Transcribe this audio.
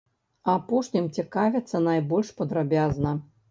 Апошнім цікавяцца найбольш падрабязна.